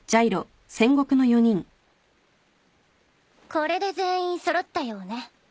これで全員揃ったようね。